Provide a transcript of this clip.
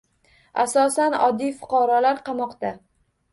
Asosan oddiy fuqarolar qamoqda